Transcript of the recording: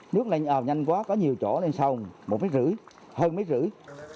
nước lây nhanh quá có nhiều chỗ lên sông một mét rưỡi hơn một mét rưỡi